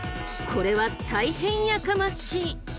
これは大変やかましい。